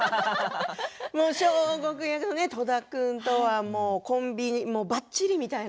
ショーゴ、戸田君とはコンビばっちりみたいな。